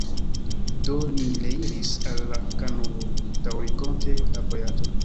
Do, ni reiris al la kanuo, daŭrigonte la vojaĝon.